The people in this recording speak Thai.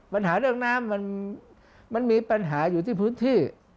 ปัญหาเรื่องน้ำมันมีปัญหาอยู่ที่พื้นที่